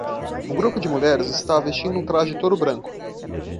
O grupo de mulheres está vestindo um traje todo branco.